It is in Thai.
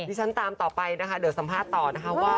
้เดี๋ยวสัมภาษณ์กันต่อนะคะ